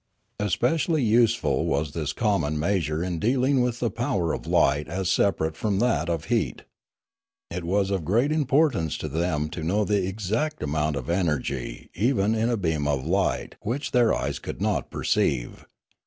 Especially useful was this common measure in deal ing with the power of light as separate from that of heat. It was of great importance to them to know the exact amount of energy even in a beam of light which their eyes could not perceive.